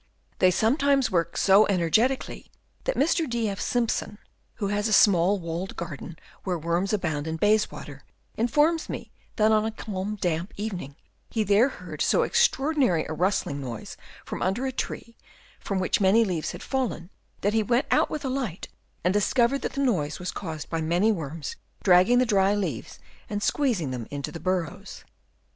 They some times work so energetically that Mr. D. F. Simpson, who has a small walled garden where worms abound in Bayswater, informs me that on a calm damp evening he there heard so extraordinary a rustling noise from under a tree from which many leaves had fallen, that he went out with a light and dis covered that the noise was caused by many worms dragging the dry leaves and squeezing them into the burrows.